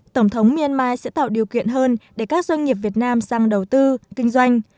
tổng thống myanmar sẽ tạo điều kiện hơn để các doanh nghiệp việt nam sang đầu tư kinh doanh